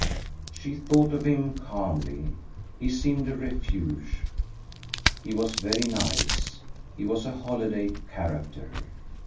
She thought of him calmly: he seemed a refuge. He was very nice, he was a holiday character.